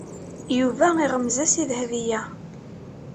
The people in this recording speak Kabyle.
Yuba iɣemmez-as i Dahbiya.